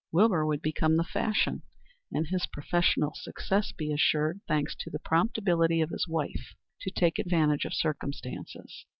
Wilbur would become the fashion, and his professional success be assured, thanks to the prompt ability of his wife to take advantage of circumstances.